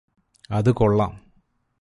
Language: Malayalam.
അത് കൊള്ളാം